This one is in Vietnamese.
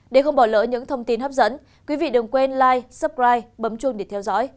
để không bỏ lỡ những thông tin hấp dẫn quý vị đừng quên life suppride bấm chuông để theo dõi